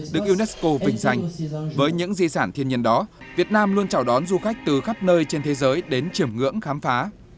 được unesco vinh danh với những di sản thiên nhiên đó việt nam luôn chào đón du khách từ khắp nơi trên thế giới đến chiểm ngưỡng khám phá